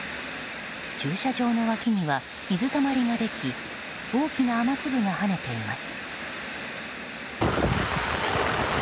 駐車場の脇には水たまりができ大きな雨粒が跳ねています。